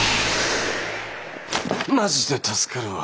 マジで助かるわ。